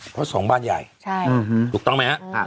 เพราะสองบ้านใหญ่ถูกต้องไหมครับ